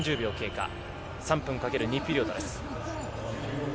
３分かける２ピリオドです。